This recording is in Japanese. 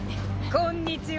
・こんにちは。